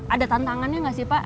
ada tantangannya nggak sih pak